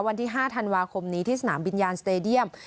วันที่๕ธันวาคมนี้ที่สนามบินยานสเตดียม